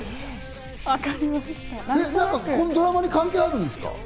このドラマに関係あるんですか？